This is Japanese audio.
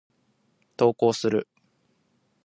投稿する。